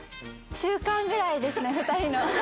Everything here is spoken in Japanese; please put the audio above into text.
中間ぐらいですね、２人の。